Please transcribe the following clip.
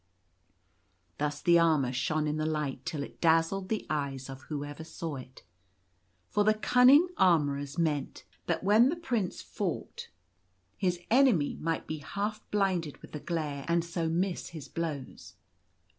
Thus the armour shone in the light till it dazzled the eyes of whosoever saw it— for the cun ning armourers meant that when the Prince fought, his Zaphir goes to fight the Giant. 29 enemy might be half blinded with the glare and so miss his blows.